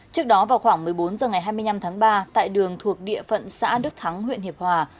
trước đó vào khoảng một mươi bốn h ngày hai mươi năm tháng ba tại đường thuộc địa phận xã đức thắng huyện hiệp hòa